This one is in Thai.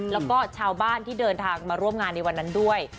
แล้วก็ชาวบ้านที่เดินทางมาร่วมงานในวันนั้นด้วย